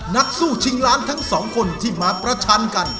นักสู้ชิงล้านทั้งสองคนที่มาประชันกัน